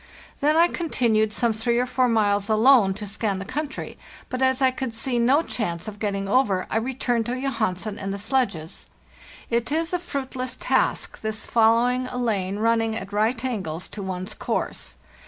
Then I continued some three or four miles alone to scan the country, but as I could see no chance of getting over, I returned to Jo hansen and the sledges. It is a fruitless task, this fol lowing a lane running at right angles to one's course.